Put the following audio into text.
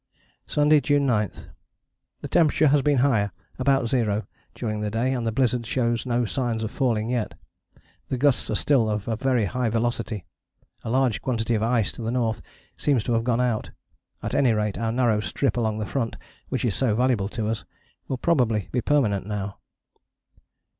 "Sunday, June 9. The temperature has been higher, about zero, during the day, and the blizzard shows no signs of falling yet. The gusts are still of a very high velocity. A large quantity of ice to the north seems to have gone out: at any rate our narrow strip along the front, which is so valuable to us, will probably be permanent now."